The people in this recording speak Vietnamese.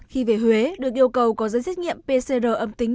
khi về huế được yêu cầu có giấy xét nghiệm pcr âm tính